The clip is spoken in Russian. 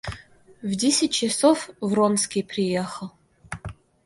В десять часов Вронский приехал.